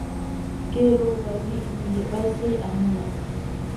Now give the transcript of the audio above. Ngelooba wii: mi heɓaay, sey a munya.